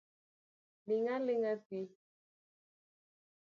Ling'aling'a thi.